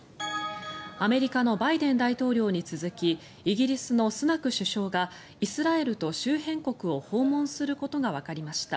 アメリカのバイデン大統領に続きイギリスのスナク首相がイスラエルと周辺国を訪問することがわかりました。